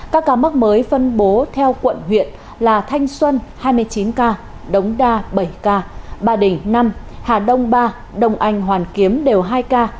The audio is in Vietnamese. các ca mắc mới phân bố theo quận huyện là thanh xuân hai mươi chín ca đống đa bảy ca ba đình năm hà đông ba đông anh hoàn kiếm đều hai ca